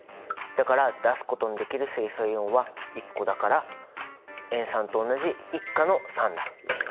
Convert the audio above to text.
だから出すことのできる水素イオンは１個だから塩酸と同じ１価の酸だ。